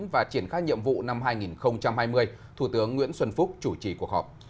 và triển khai nhiệm vụ năm hai nghìn hai mươi thủ tướng nguyễn xuân phúc chủ trì cuộc họp